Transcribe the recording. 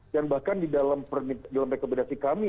dan bahkan di dalam rekomendasi kami